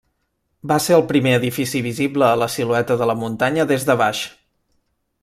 Va ser el primer edifici visible a la silueta de la muntanya des de baix.